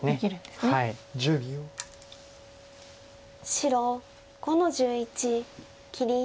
白５の十一切り。